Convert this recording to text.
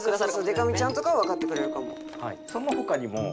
でか美ちゃんとかはわかってくれるかも。